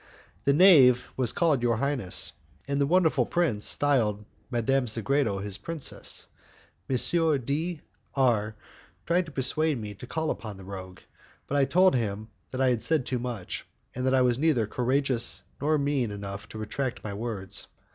The knave was called your highness, and the wonderful prince styled Madame Sagredo his princess. M. D R tried to persuade me to call upon the rogue, but I told him that I had said too much, and that I was neither courageous nor mean enough to retract my words.